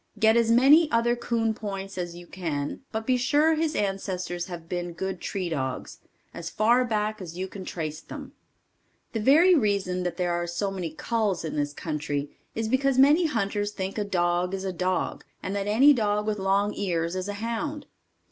Get as many other coon points as you can, but be sure his ancestors have been good tree dogs, as far back as you can trace them. The very reason that there are so many culls in this country, is because many hunters think a dog is a dog, and that any dog with long ears is a hound.